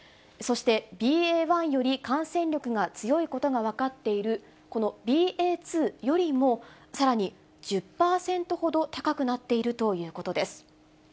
そしてＢＡ．１より感染力が強いことが分かっているこのＢＡ．２よりもさらに１０％ほど高くなっているということです。